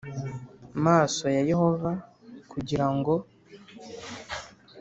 Maso ya yehova kugira ngo